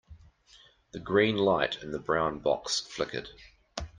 The green light in the brown box flickered.